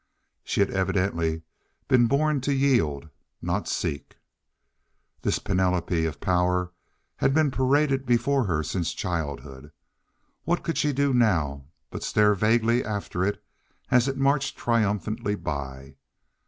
She had evidently been born to yield, not seek. This panoply of power had been paraded before her since childhood. What could she do now but stare vaguely after it as it marched triumphantly by?